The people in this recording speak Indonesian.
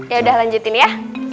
ya udah lanjutin ya